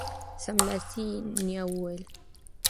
سملاسي یې نیا وویل